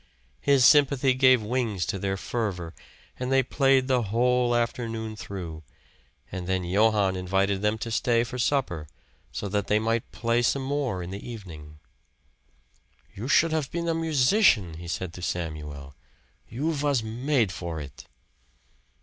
His sympathy gave wings to their fervor, and they played the whole afternoon through, and then Johann invited them to stay to supper, so that they might play some more in the evening. "You should haf been a musician," he said to Samuel. "You vas made for it."